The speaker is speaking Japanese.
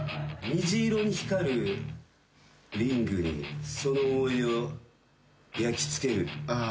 虹色に光るリングにその思い出を焼きつける。